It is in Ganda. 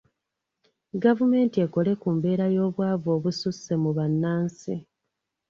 Gavumenti ekole ku mbeera y’obwavu obususse mu bannansi.